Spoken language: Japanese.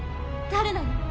∈誰なの？